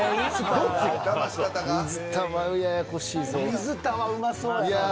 水田はうまそうやな。